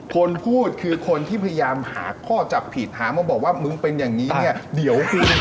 คนพูดคือคนที่พยายามหาข้อจับผิดหามาบอกว่ามึงเป็นอย่างนี้เนี่ยเดี๋ยวคือ